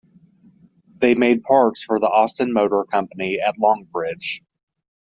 They made parts for the Austin Motor Company at Longbridge.